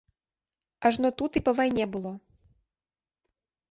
Ажно тут і па вайне было.